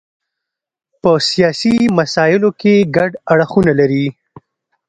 په سیاسي مسایلو کې ګډ اړخونه لري.